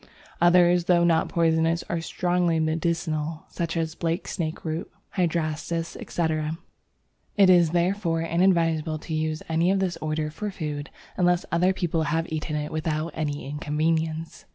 Others, though not poisonous, are strongly medicinal, such as Blake Snakeroot, Hydrastis, etc. It is therefore inadvisable to use any of this order for food unless other people have eaten it without any inconvenience!